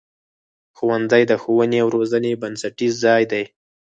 ښوونځی د ښوونې او روزنې بنسټیز ځای دی.